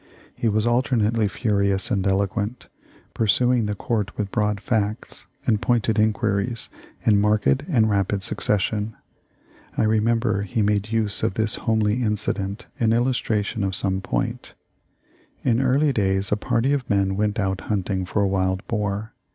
He was alternately furious and eloquent, pursuing the Court with broad facts and pointed inquiries in marked and rapid succession. I remember he made use of this homely incident in illustration of some point : "In early days a party of men went out hunting for a wild boar.